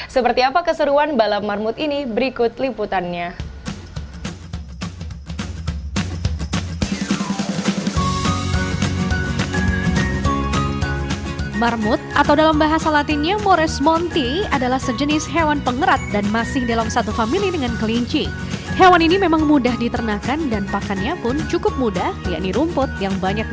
seperti apa keseruan balap marmut ini berikut liputannya